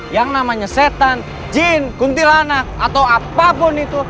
yang namanya setan jin kuntilanak atau apapun itu